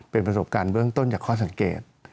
เป็นประสบการณ์เบื้องต้นจากข้อสังเกต